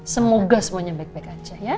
semoga semuanya baik baik aja ya